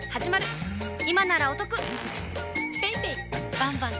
バンバン！